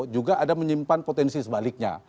juga ada menyimpan potensi sebaliknya